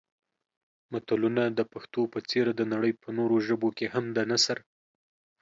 متلونه د پښتو په څېر د نړۍ په نورو ژبو کې هم د نثر